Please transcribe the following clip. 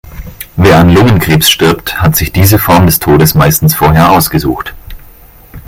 Wer an Lungenkrebs stirbt, hat sich diese Form des Todes meistens vorher ausgesucht.